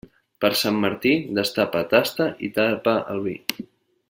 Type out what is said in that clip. Per Sant Martí, destapa, tasta i tapa el vi.